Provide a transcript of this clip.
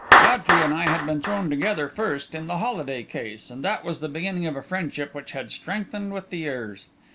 Godfrey and I had been thrown together first in the Holladay case, and that was the beginning of a friendship which had strengthened with the years.